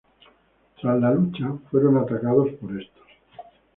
Tras la lucha, fueron atacados por estos.